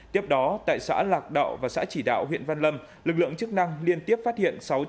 tiếp đó tại xã lạc đạo và xã chỉ đạo huyện văn lâm lực lượng chức năng liên tiếp phát hiện